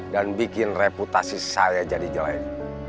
dan bikin reputasi saya jadi jelek